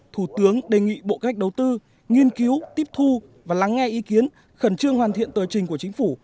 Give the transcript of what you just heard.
thủ tướng đề nghị bộ cách đầu tư nghiên cứu tiếp thu và lắng nghe ý kiến khẩn trương hoàn thiện tờ trình của chính phủ